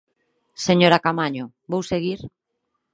Señora Caamaño, ¿vou seguir?